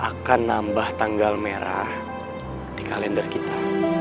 akan nambah tanggal merah di kalender kita